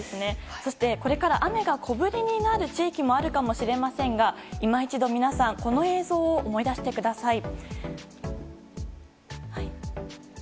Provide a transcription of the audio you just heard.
そしてこれから雨が小降りになる地域もあるかもしれませんが今一度、皆さんこの映像を思い出してください。